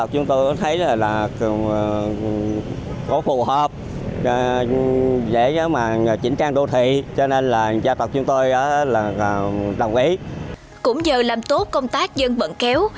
cũng nhờ làm tốt công tác dân vận kéo